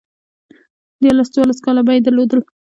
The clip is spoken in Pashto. ديارلس، څوارلس کاله به يې درلودل